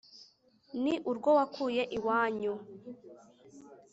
ni urwo wakuye iwanyu